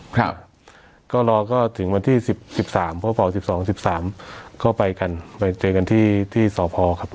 ครับก็รอก็ถึงวันที่๑๓พศ๑๒๑๓ก็ไปกันไปเจอกันที่ที่สภครับ